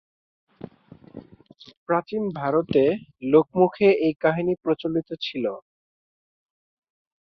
প্রাচীন ভারতে লোকমুখে এই কাহিনী প্রচলিত ছিল।